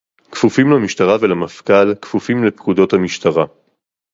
"כפופים למשטרה ולמפכ"ל, כפופים לפקודות המשטרה"